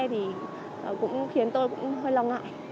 thì khiến tôi cũng hơi lo ngại